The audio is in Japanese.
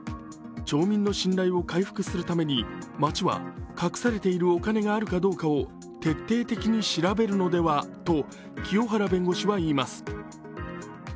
町民の信頼を回復するために町は隠されているお金があるかどうかを徹底的に調べるのではと清原弁護士は言います。